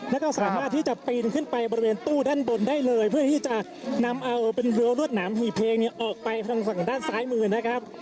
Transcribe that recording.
แล้วก็สามารถที่จะปีนขึ้นไปบริเวณตู้ด้านบนได้เลยเพื่อที่จะนำเอาเป็นรัวรวดหนามหี่เพลงเนี่ยออกไปทางฝั่งด้านซ้ายมือนะครับ